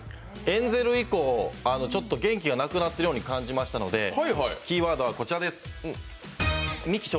エンゼル以降、元気がなくなっているように感じましたのでキーワードはこちらです。